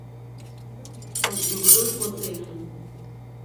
Els jugadors ho entenen.